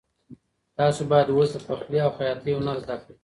تاسو باید اوس د پخلي او خیاطۍ هنر زده کړئ.